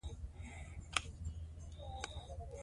زه هر کار ته وخت ټاکم.